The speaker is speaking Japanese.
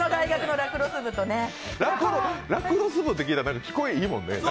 ラクロス部と聞いたら聞こえいいもんね。